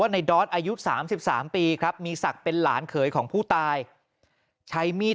ในดอสอายุ๓๓ปีครับมีศักดิ์เป็นหลานเขยของผู้ตายใช้มีด